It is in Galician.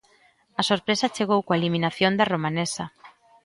A sorpresa chegou coa eliminación da romanesa.